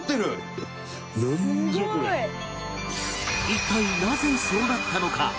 一体なぜそうなったのか？